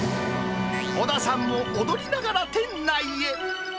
小田さんも踊りながら店内へ。